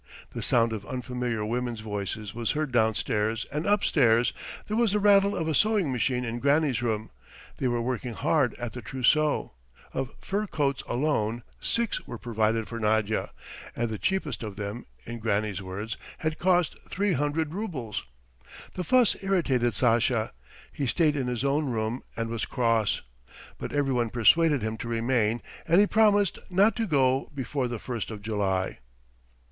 The sound of unfamiliar women's voices was heard downstairs and upstairs, there was the rattle of a sewing machine in Granny's room, they were working hard at the trousseau. Of fur coats alone, six were provided for Nadya, and the cheapest of them, in Granny's words, had cost three hundred roubles! The fuss irritated Sasha; he stayed in his own room and was cross, but everyone persuaded him to remain, and he promised not to go before the first of July.